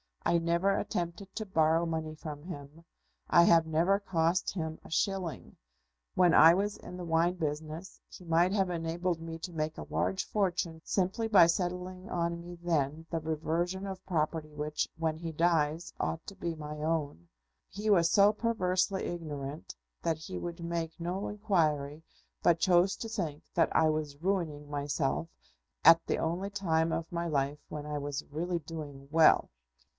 I never attempted to borrow money from him. I have never cost him a shilling. When I was in the wine business he might have enabled me to make a large fortune simply by settling on me then the reversion of property which, when he dies, ought to be my own. He was so perversely ignorant that he would make no inquiry, but chose to think that I was ruining myself, at the only time of my life when I was really doing well."